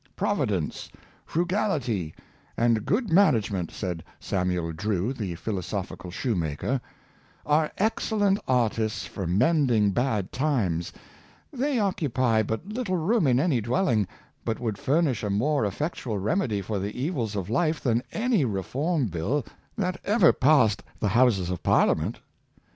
"*' Providence, frugality, and good management," said Samuel Drew, the philosophical shoemaker, " are excel lent artists for mending bad times: they occupy but little room in any dwelling, but would furnish a more effectual remedy for the evils of life than any Reform Bill that ever passed the Houses of Parliament."